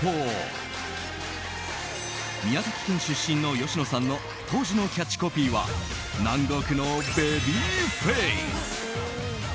宮崎県出身の吉野さんの当時のキャッチコピーは南国のベビーフェ−ス。